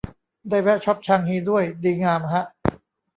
ได้แวะช็อปชางฮีด้วย ดีงามฮะ